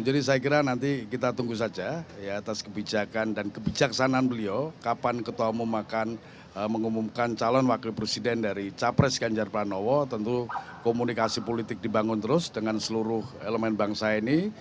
jadi saya kira nanti kita tunggu saja atas kebijakan dan kebijaksanaan beliau kapan ketua umum akan mengumumkan calon wakil presiden dari cawapres ganjar pranowo tentu komunikasi politik dibangun terus dengan seluruh elemen bangsa ini